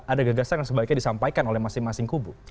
ada gagasan yang sebaiknya disampaikan oleh masing masing kubu